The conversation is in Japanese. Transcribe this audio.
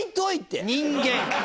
人間。